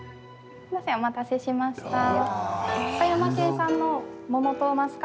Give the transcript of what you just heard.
お待たせしました。